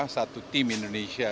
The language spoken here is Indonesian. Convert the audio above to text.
satu tim indonesia